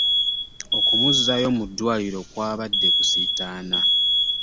Okumuzzaayo mu ddwaaliro kwabadde kusiitaana.